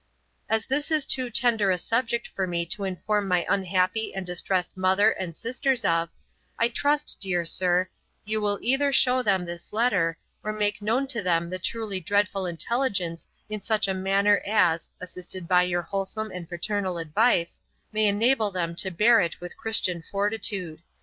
'As this is too tender a subject for me to inform my unhappy and distressed mother and sisters of, I trust, dear Sir, you will either show them this letter, or make known to them the truly dreadful intelligence in such a manner as (assisted by your wholesome and paternal advice) may enable them to bear it with Christian fortitude.